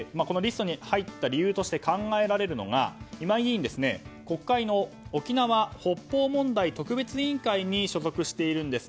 このリストに入った理由として考えられるのは国会の沖縄・北方問題特別委員会に所属しているんです。